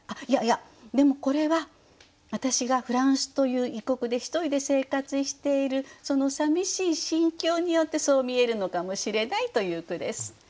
いやいやでもこれは私がフランスという異国で一人で生活しているそのさみしい心境によってそう見えるのかもしれないという句です。